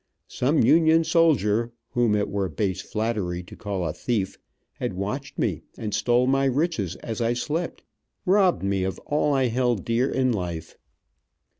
Some Union soldier, whom it were base flattery to call a thief, had watched me, and stole my riches as I slept, robbed me of all I held dear in life.